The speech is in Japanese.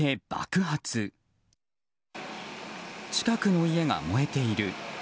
近くの家が燃えている。